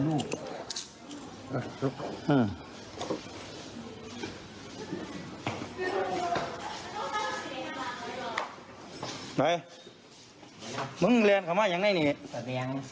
มึงเรียนของม่ายังไงเนี่ย